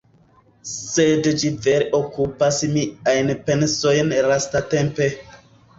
Sed ĝi vere okupas miajn pensojn lastatempe